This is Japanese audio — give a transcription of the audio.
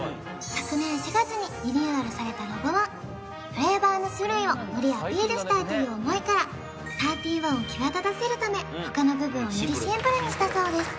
昨年４月にリニューアルされたロゴはフレーバーの種類をよりアピールしたいという思いから「３１」を際立たせるため他の部分をよりシンプルにしたそうです